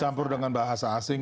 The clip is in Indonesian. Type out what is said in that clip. campur dengan bahasa asing